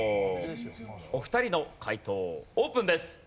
お二人の解答オープンです。